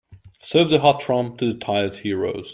Serve the hot rum to the tired heroes.